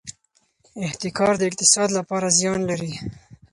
احتکار د اقتصاد لپاره زیان لري.